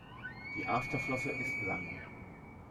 Die Afterflosse ist lang.